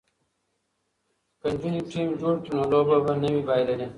که نجونې ټیم جوړ کړي نو لوبه به نه وي بایللې.